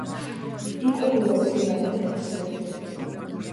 იკვებება მცენარეთა თესლებით.